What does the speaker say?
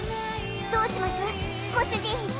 どうします？ご主人！